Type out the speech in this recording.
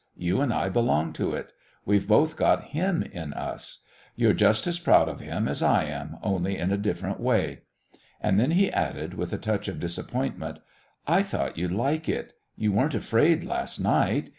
You and I belong to it. We've both got him in us. You're just as proud of him as I am, only in a different way." And then he added, with a touch of disappointment: "I thought you'd like it. You weren't afraid last night.